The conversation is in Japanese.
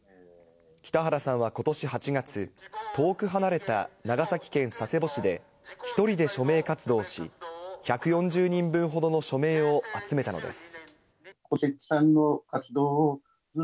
北原さんはことし８月、遠く離れた長崎県佐世保市で１人で署名活動し、１４０人分ほどの署名を集めたのです。